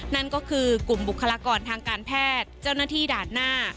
นั่นก็คือกลุ่มบุคลากรทางการแพทย์เจ้าหน้าที่ด่านหน้า